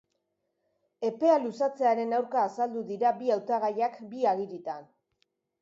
Epea luzatzearen aurka azaldu dira bi hautagaiak bi agiritan.